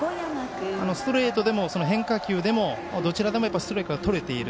ストレートでも、変化球でもどちらでもストライクがとれている。